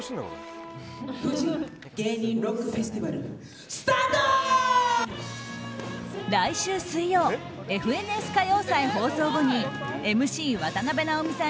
「フジ芸人ロックフェスティバル」来週水曜「ＦＮＳ歌謡祭」放送後にＭＣ渡辺直美さん